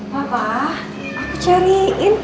bapak aku cariin